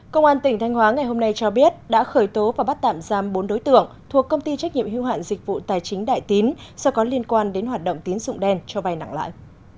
công an tỉnh thanh hóa ngày hôm nay cho biết đã khởi tố và bắt tạm giam bốn đối tượng thuộc công ty trách nhiệm hưu hạn dịch vụ tài chính đại tín do có liên quan đến hoạt động tín dụng đen cho vai nặng lãi